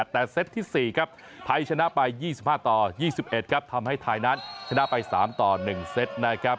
แต่เซตที่๔ครับไทยชนะไป๒๕ต่อ๒๑ครับทำให้ไทยนั้นชนะไป๓ต่อ๑เซตนะครับ